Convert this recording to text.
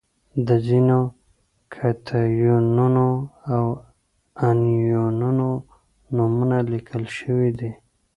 د ځینو کتیونونو او انیونونو نومونه لیکل شوي دي.